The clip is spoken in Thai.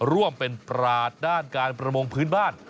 ร่วมเป็นปราศด้านการประมงพื้นบ้าน